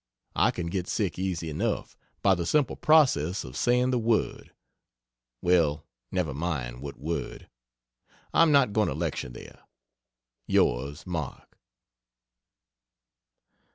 I can get sick easy enough, by the simple process of saying the word well never mind what word I am not going to lecture there. Yours, MARK.